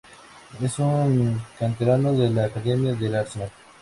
Es un canterano de la Academia del Arsenal.